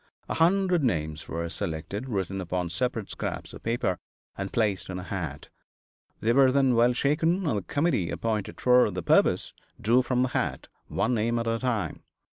A hundred names were selected, written upon separate scraps of paper, and placed in a hat. They were then well shaken, and the committee appointed for the purpose drew from the hat one name at a time.